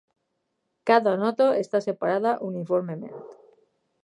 Cada nota està separada uniformement.